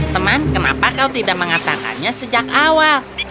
teman kenapa kau tidak mengatakannya sejak awal